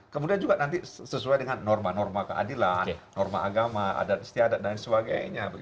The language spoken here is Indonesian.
kemudian juga nanti sesuai dengan norma norma keadilan norma agama adat istiadat dan sebagainya